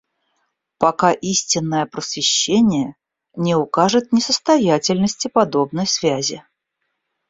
Пока истинное просвещение не укажет несостоятельности подобной связи.